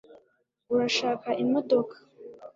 urashaka imodoka